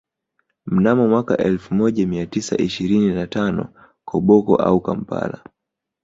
Mnamo mwaka elfu moja mia tisa ishirini na tano Koboko au Kampala